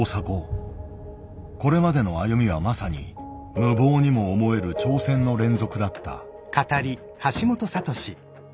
これまでの歩みはまさに無謀にも思える挑戦の連続だった。